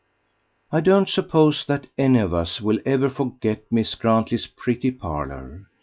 I don't suppose that any of us will ever forget Miss Grantley's pretty parlour.